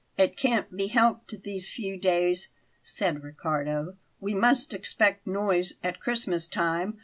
"It can't be helped these few days," said Riccardo; "we must expect noise at Christmas time.